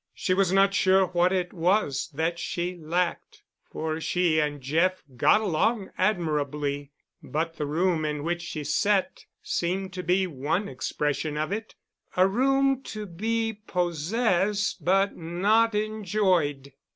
She was not sure what it was that she lacked, for she and Jeff got along admirably, but the room in which she sat seemed to be one expression of it—a room to be possessed but not enjoyed.